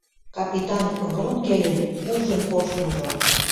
Капитан Врунгельын ужын коштмыжо